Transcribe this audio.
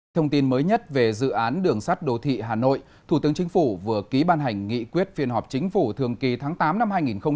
thông tin mới nhất về dự án đường sắt đô thị hà nội thủ tướng chính phủ vừa ký ban hành nghị quyết phiên họp chính phủ thường kỳ tháng tám năm hai nghìn hai mươi